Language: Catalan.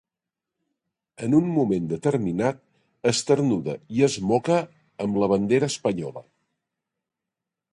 En un moment determinat, esternuda i es moca amb la bandera espanyola.